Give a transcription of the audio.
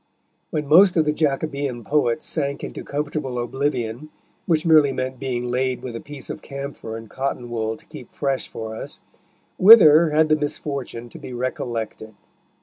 When most of the Jacobean poets sank into comfortable oblivion, which merely meant being laid with a piece of camphor in cotton wool to keep fresh for us, Wither had the misfortune to be recollected.